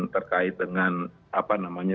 terkait dengan apa namanya